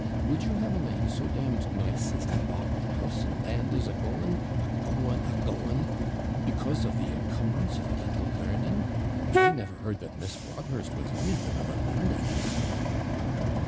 Would you have a man so d d nice as to balk when house and land is a going a going a going! because of the encumbrance of a little learning? I never heard that Miss Broadhurst was anything of a learned lady.'